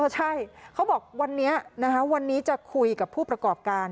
ใช่เขาบอกวันนี้วันนี้จะคุยกับผู้ประกอบการ